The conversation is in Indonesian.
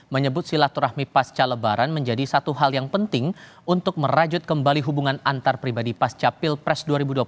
menyebut silaturahmi pasca lebaran menjadi satu hal yang penting untuk merajut kembali hubungan antar pribadi pasca pilpres dua ribu dua puluh empat